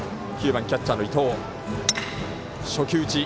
９番キャッチャーの伊藤。